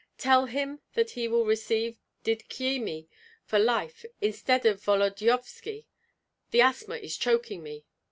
Tell him that he will receive Dydkyemie for life instead of Volodyovski. The asthma is choking me.